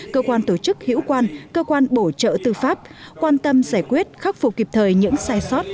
cơ quan tổ chức hữu quan cơ quan bổ trợ tư pháp quan tâm giải quyết khắc phục kịp thời những sai sót